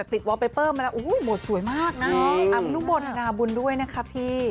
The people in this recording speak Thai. แต่ติดมาแล้วโอ้โหหมดสวยมากน่ะน่าบุญด้วยนะครับพี่